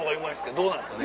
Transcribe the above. どうなんすかね。